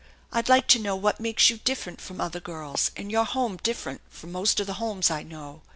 I'd like to know what makes you different from other girls, and your home different from most of the homes I know.